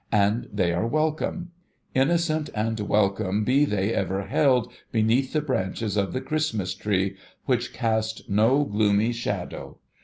And they are Avelcome. Innocent and welcome be they ever held, beneath the branches of the Christmas Tree, which cast no gloomy shadow